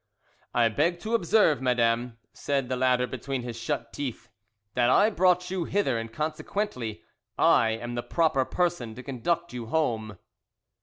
"I beg to observe, madam," said the latter between his shut teeth, "that I brought you hither and consequently I am the proper person to conduct you home."